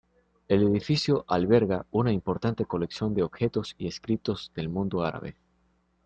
El edificio alberga una importante colección de objetos y escritos del mundo árabe.